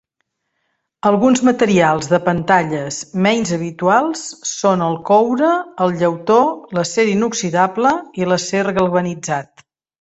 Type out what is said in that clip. Alguns materials de pantalles menys habituals són el coure, el llautó, l'acer inoxidable i l'acer galvanitzat.